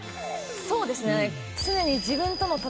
そうですね。